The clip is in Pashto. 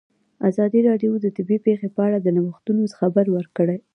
ازادي راډیو د طبیعي پېښې په اړه د نوښتونو خبر ورکړی.